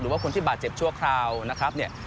ว่าคนที่บาดเจ็บชั่วคราวนะครับเนี่ย